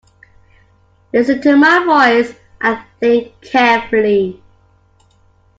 Listen to my voice and think carefully.